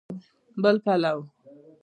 بل پلو